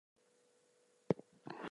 We should go to the zoo today.